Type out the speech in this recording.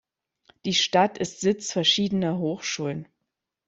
Die Stadt ist Sitz verschiedener Hochschulen.